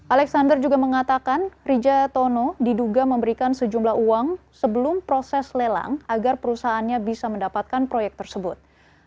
alexander juga mengatakan rija tono diduga memberikan sejumlah uang sebelum proses lelang agar perusahaannya bisa mendapatkan proyek tersebut